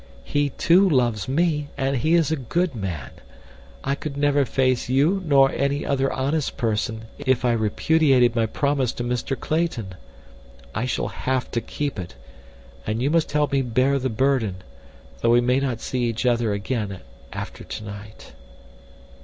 "He too, loves me, and he is a good man. I could never face you nor any other honest person if I repudiated my promise to Mr. Clayton. I shall have to keep it—and you must help me bear the burden, though we may not see each other again after tonight."